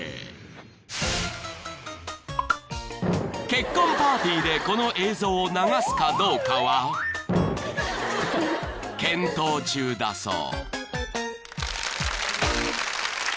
［結婚パーティーでこの映像を流すかどうかは検討中だそう］